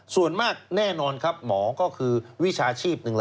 ส่วนมากแน่นอนครับหมอก็คือวิชาชีพหนึ่ง